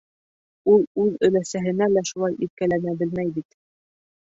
Ул үҙ өләсәһенә лә шулай иркәләнә белмәй бит.